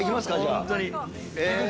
本当に。